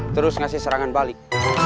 terus ngasih serangan balik